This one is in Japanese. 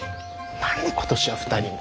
何で今年は２人も。